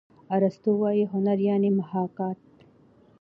ارستو وايي هنر یعني محاکات.